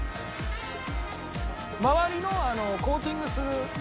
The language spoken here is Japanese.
「周りのコーティングする